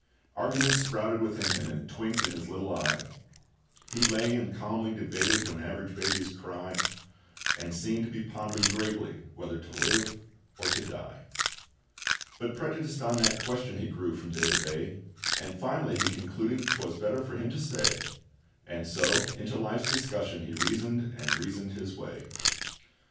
Arguments sprouted within him, And twinked in his little eye; He lay and calmly debated When average babies cry, And seemed to be pondering gravely whether to live or to die. But prejudiced on that question He grew from day to day, And finally he concluded 'Twas better for him to stay; And so into life's discussion he reasoned and reasoned his way.